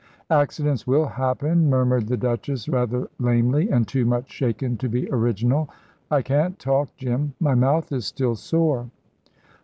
"Accidents will happen," murmured the Duchess, rather lamely, and too much shaken to be original. "I can't talk, Jim my mouth is still sore."